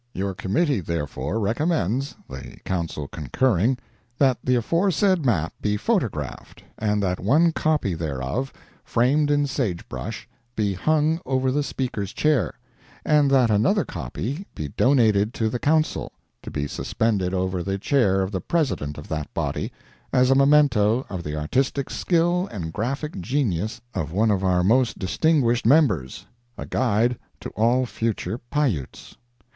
Your committee, therefore, recommends, the Council concurring, that the aforesaid map be photographed, and that one copy thereof, framed in sage brush, be hung over the Speaker's chair, and that another copy be donated to the Council, to be suspended over the chair of the President of that body, as a memento of the artistic skill and graphic genius of one of our most distinguished members—a guide to all future Pi Utes.